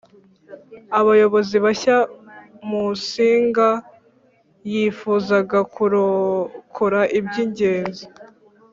abayobozi bashya musinga yifuzaga kurokora iby ingenzi